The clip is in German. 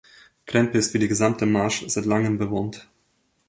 Krempe ist, wie die gesamte Marsch, seit langem bewohnt.